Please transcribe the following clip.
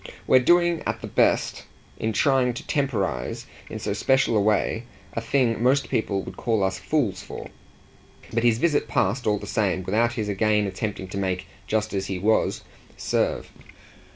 "We're doing, at the best, in trying to temporise in so special a way, a thing most people would call us fools for." But his visit passed, all the same, without his again attempting to make "just as he was" serve.